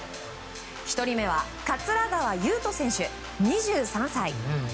１人目は桂川有人選手、２３歳。